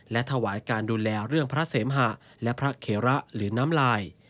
และถวายการดูแลเรื่องพระเสมหะและพระเคระหรือน้ำลาย